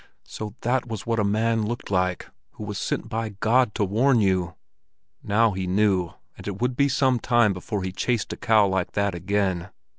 So that was what a man looked like, who was sent by God to warn you! Now he knew, and it would be some time before he chased a cow like that again.